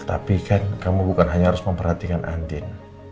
tapi kan kamu bukan hanya harus memperhatikan andin